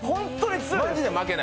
マジで負けない。